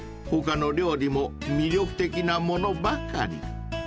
［他の料理も魅力的なものばかり］